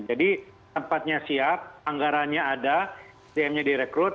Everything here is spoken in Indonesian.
jadi tempatnya siap anggaranya ada dm nya direkrut